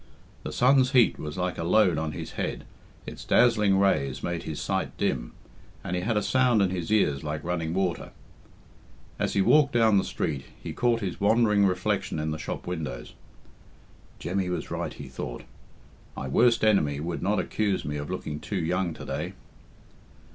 The sun's heat was like a load on his head, its dazzling rays made his sight dim, and he had a sound in his ears like running water. As he walked down the street he caught his wandering reflection in the shop windows. "Jemmy was right," he thought. "My worst enemy would not accuse me of looking too young to day."